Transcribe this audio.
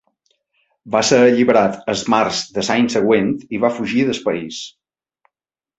Va ser alliberat el març de l'any següent i va fugir del país.